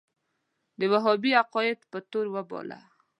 د وهابي عقایدو په تور وباله.